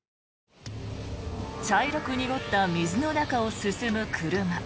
茶色く濁った水の中を進む車。